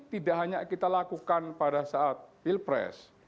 tidak hanya kita lakukan pada saat pilpres